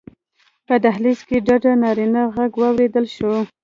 په دهلېز کې ډډ نارينه غږ واورېدل شو: